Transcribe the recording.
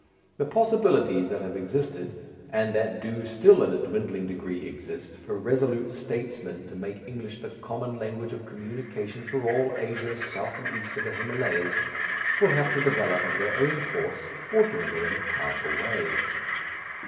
The possibilities that have existed, and that do still in a dwindling degree exist, for resolute statesmen to make English the common language of communication for all Asia south and east of the Himalayas, will have to develop of their own force or dwindle and pass away.